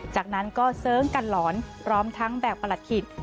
จากนั้นก็เสิร์งกันหลอนพร้อมทั้งแบกประหลัดขิต